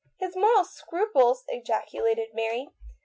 " His moral scruples !" ejaculated Mary.